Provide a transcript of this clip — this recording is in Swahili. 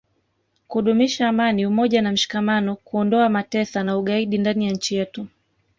kudumisha amani umoja na mshikamano kuondoa matesa na ugaidi ndani ya nchi yetu